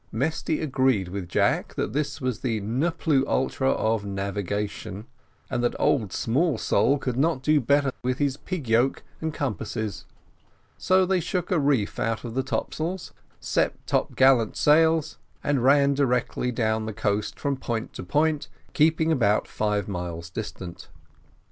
Mesty agreed with Jack that this was the ne plus ultra of navigation: and that old Smallsole could not do better with his "pig yoke" and compasses. So they shook a reef out of the top sails, set top gallant sails, and ran directly down the coast from point to point, keeping about five miles distant.